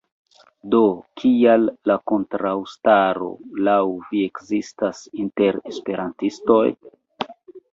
Do, kial la kontraŭstaro laŭ vi ekzistas inter esperantistoj?